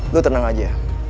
lo tenang aja